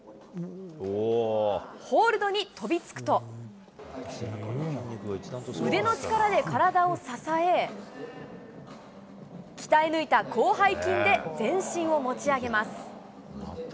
ホールドに飛びつくと、腕の力で体を支え、鍛え抜いた広背筋で全身を持ち上げます。